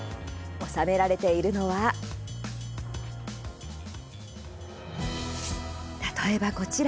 収められているのは例えばこちら。